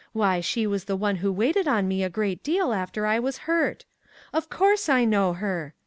Why, she was the one who waited on me a great deal, after I was hurt; of course I know her.